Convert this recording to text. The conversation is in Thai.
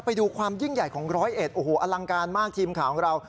ไปดูความยิ่งใหญ่ของร้อยเอ็ดโอ้โหอลังการมากทีมข่าวของเรา